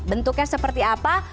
bentuknya seperti apa